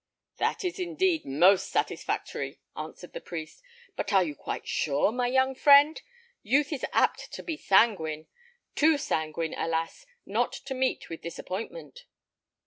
"That is indeed most satisfactory," answered the priest. "But are you quite sure, my young friend? Youth is apt to be sanguine; too sanguine, alas! not to meet with disappointment."